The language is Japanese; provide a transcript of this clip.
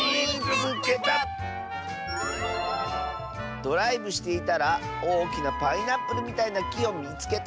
「ドライブしていたらおおきなパイナップルみたいなきをみつけた！」。